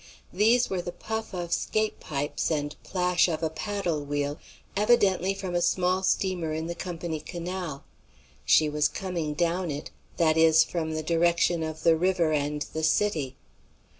These were the puff of 'scape pipes and plash of a paddle wheel, evidently from a small steamer in the Company Canal. She was coming down it; that is, from the direction of the river and the city.